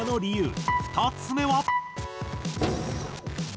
２つ目は。